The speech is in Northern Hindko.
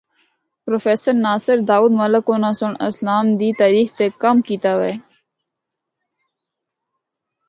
پروفیسر ناصر داود ملک اناں سنڑ اسلام دی تاریخ تے کم کیتا وے۔